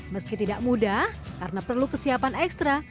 meski tidak mudah karena perlu kesiapan ekstra